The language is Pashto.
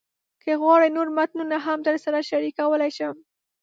که غواړئ، نور متنونه هم درسره شریکولی شم.